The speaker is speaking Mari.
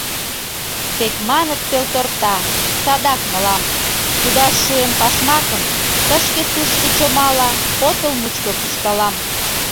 Тек маныт пелторта — садак мылам, — кудаш шуэм пашмакым, тышке-тушко чомала отыл мучко куржталам.